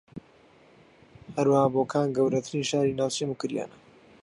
ھەروەھا بۆکان گەورەترین شاری ناوچەی موکریانە